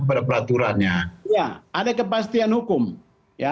ada kebahan pada peraturannya